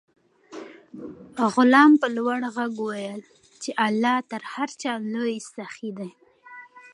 غلام په لوړ غږ وویل چې الله تر هر چا لوی سخي دی.